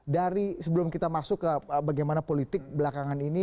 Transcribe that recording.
dari sebelum kita masuk ke bagaimana politik belakangan ini